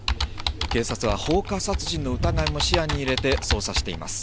警察は放火殺人の疑いも視野に入れて捜査しています。